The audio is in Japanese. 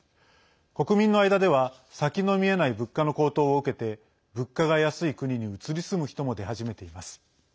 国民の間では先の見えない物価の高騰を受けて物価が安い国に移り住む人も出始めています。